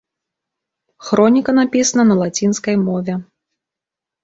Хроніка напісана на лацінскай мове.